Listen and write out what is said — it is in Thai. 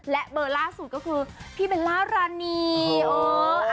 และเบอร์ล่าสุดก็คือพี่เบลล่ารานี